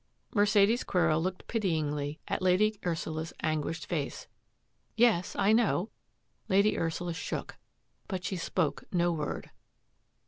" Mercedes Quero looked pityingly at Lady Ursula's anguished face. " Yes ; I know." Lady Ursula shook, but she spoke no word.